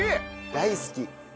大好き。